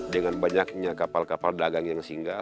dengan banyaknya kapal kapal dagang yang singgah